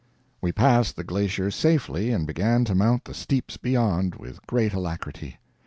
We passed the glacier safely and began to mount the steeps beyond, with great alacrity.